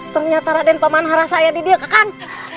ternyata raden pemanah rasa ya didiak kakang